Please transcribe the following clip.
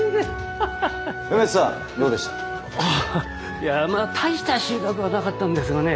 いや大した収穫はなかったんですがね